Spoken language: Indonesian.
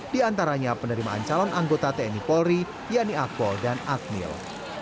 di antaranya penerimaan calon anggota tni polri yanni akpol dan akmil